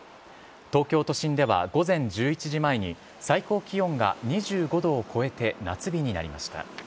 東京都心では午前１１時前に、最高気温が２５度を超えて、夏日になりました。